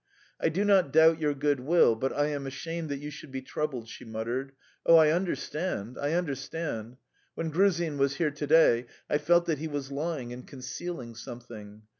"I do not doubt your good will, but I am ashamed that you should be troubled," she muttered. "Oh, I understand, I understand. ... When Gruzin was here to day, I felt that he was lying and concealing something.